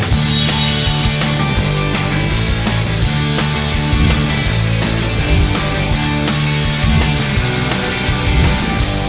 เพราะสมชาย